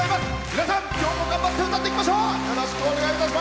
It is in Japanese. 皆さん、きょうも頑張って歌っていきましょう。